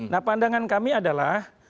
nah pandangan kami adalah